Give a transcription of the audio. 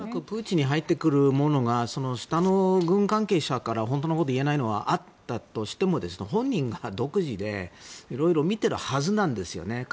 プーチンに入ってくるものが下の軍関係者から本当のことを言えないのはあったとしても本人が独自でいろいろ見ているはずなんですね。